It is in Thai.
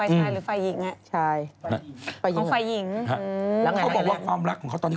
อินสตรายรามของใคร